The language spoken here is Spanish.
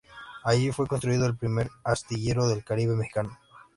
Allí fue construido el primer astillero del Caribe mexicano.